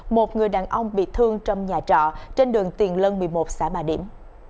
một người đàn ông bị thương trong nhà trọ trên đường tiền lân một mươi một xã bà điểm